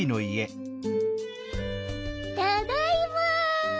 ただいま。